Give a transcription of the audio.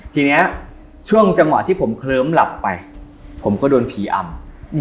ทีนี้ช่วงจังหวะที่ผมเคลิ้มหลับไปผมก็โดนผีอำ